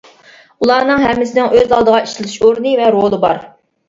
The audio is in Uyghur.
ئۇلارنىڭ ھەممىسىنىڭ ئۆز ئالدىغا ئىشلىتىلىش ئورنى ۋە رولى بار.